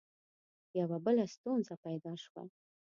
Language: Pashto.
یوه بله ستونزه پیدا شوه.